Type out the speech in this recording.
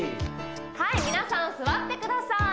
はい皆さん座ってください